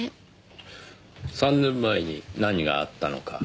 ３年前に何があったのか。